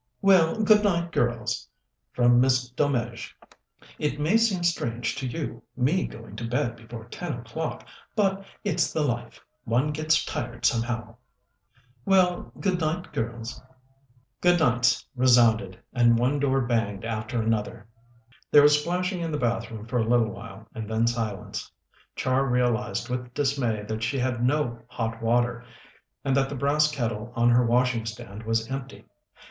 "Well, good night, girls," from Miss Delmege. "It may seem strange to you, me going to bed before ten o'clock, but it's the life. One gets tired, somehow." "Good nights" resounded, and one door banged after another. There was splashing in the bathroom for a little while, and then silence. Char realized with dismay that she had no hot water, and that the brass kettle on her washing stand was empty.